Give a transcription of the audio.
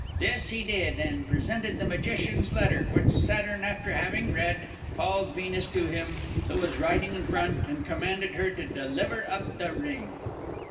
This he did, and presented the magician's letter; which Saturn, after having read, called Venus to him, who was riding in front, and commanded her to deliver up the ring."